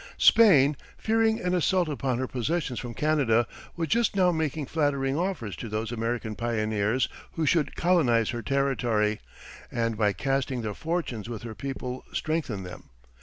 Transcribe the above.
Spain, fearing an assault upon her possessions from Canada, was just now making flattering offers to those American pioneers who should colonize her territory, and by casting their fortunes with her people strengthen them.